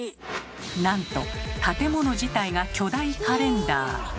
なんと建物自体が巨大カレンダー！